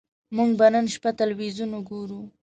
موږ به نن شپه ټلویزیون وګورو